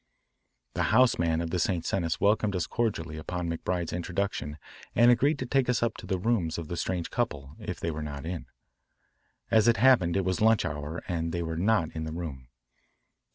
The house man of the St. Cenis welcomed us cordially upon McBride's introduction and agreed to take us up to the rooms of the strange couple if they were not in. As it happened it was the lunch hour and they were not in the room.